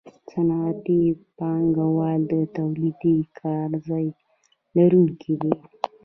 صنعتي پانګوال د تولیدي کارځای لرونکي دي